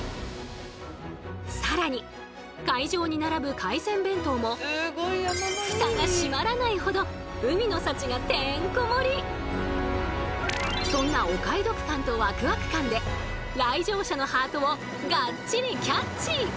更に会場に並ぶ海鮮弁当も蓋が閉まらないほどそんなお買い得感とワクワク感で来場者のハートをがっちりキャッチ！